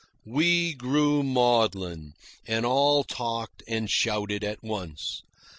We grew maudlin, and all talked and shouted at once.